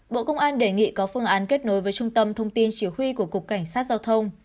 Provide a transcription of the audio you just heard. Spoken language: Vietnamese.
bộ công an đề nghị có phương án kết nối với trung tâm thông tin chỉ huy của cục cảnh sát giao thông